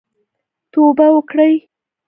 توبه وکړئ